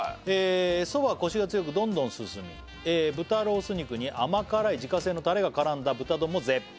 「そばはコシが強くどんどん進み」「豚ロース肉に甘辛い自家製のタレが絡んだ豚丼も絶品」